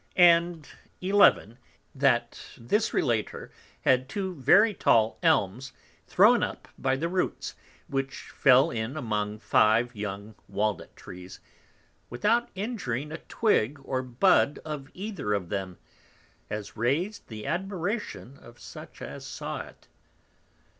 And 11. That this Relator had two very tall Elms thrown up by the Roots, which fell in among five young Walnut Trees, without injuring a Twig or Bud of either of them, as rais'd the admiration of such as saw it.